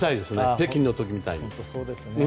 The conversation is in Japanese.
北京の時みたいに。